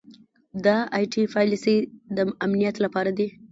دا ائ ټي پالیسۍ د امنیت لپاره دي.